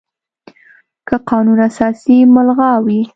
که قانون اساسي ملغا وي،